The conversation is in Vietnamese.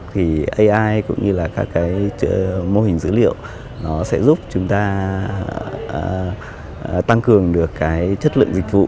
thì ai cũng như là các cái mô hình dữ liệu nó sẽ giúp chúng ta tăng cường được cái chất lượng dịch vụ